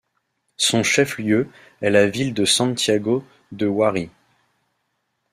Son chef-lieu est la ville de Santiago de Huari.